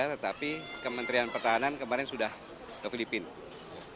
tetapi kementerian pertahanan kemarin sudah ke filipina